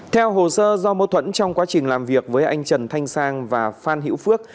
theo hồ sơ do mâu thuẫn trong quá trình làm việc với anh trần thanh sang và phan hữu phước